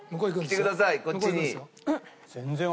来てくださいこっちに。